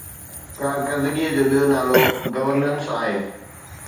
ڪارڪردگي جو ٻيو نالو گورننس آهي.